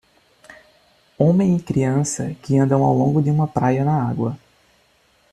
Homem e criança que andam ao longo da praia na água.